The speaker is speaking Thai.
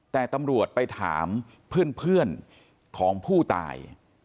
แต่ตำรวจไปถามเพื่อนของผู้ตาย